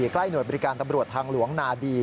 ใกล้หน่วยบริการตำรวจทางหลวงนาดี